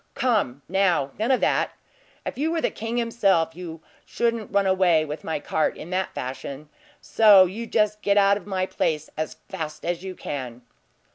"Come, now; none of that! If you were the king himself, you shouldn't run away with my cart in that fashion; so you just get out of my place as fast as you can!"